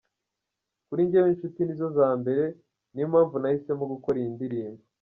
Kuri njyewe inshuti nizo za mbere niyo mpamvu nahisemo gukora iyi ndirimbo.